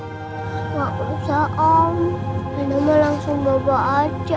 gak usah om lena mau langsung bawa aja